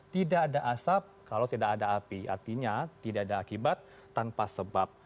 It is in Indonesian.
tidak ada asap kalau tidak ada api artinya tidak ada akibat tanpa sebab